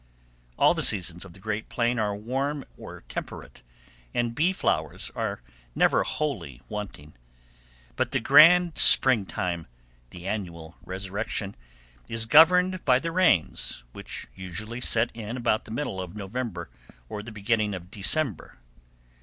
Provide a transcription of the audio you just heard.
All the seasons of the great plain are warm or temperate, and bee flowers are never wholly wanting; but the grand springtime—the annual resurrection—is governed by the rains, which usually set in about the middle of November or the beginning of December.